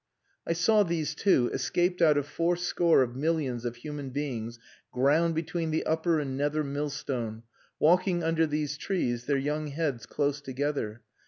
I saw these two, escaped out of four score of millions of human beings ground between the upper and nether millstone, walking under these trees, their young heads close together.